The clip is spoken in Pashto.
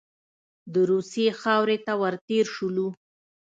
د روسیې خاورې ته ور تېر شولو.